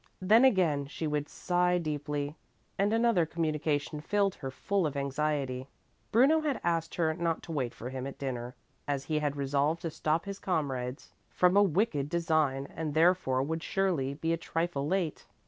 Then again she would sigh deeply and another communication filled her full of anxiety. Bruno had asked her not to wait for him at dinner, as he had resolved to stop his comrades from a wicked design and therefore would surely be a trifle late.